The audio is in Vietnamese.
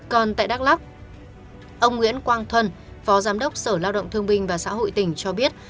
còn tại đắk lắc ông nguyễn quang thuân phó giám đốc sở lao động thương bình và xã hội tp hcm cho biết